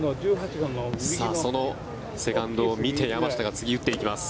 そのセカンドを見て山下が次、打っていきます。